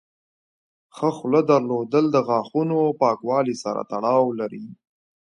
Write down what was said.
ښه خوله درلودل د غاښونو پاکوالي سره تړاو لري.